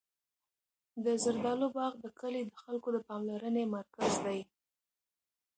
د زردالو باغ د کلي د خلکو د پاملرنې مرکز دی.